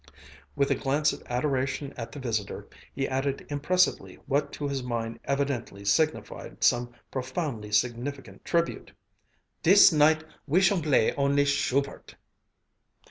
With a glance of adoration at the visitor, he added impressively what to his mind evidently signified some profoundly significant tribute, "Dis night we shall blay only Schubert!"